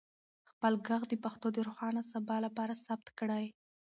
خپل ږغ د پښتو د روښانه سبا لپاره ثبت کړئ.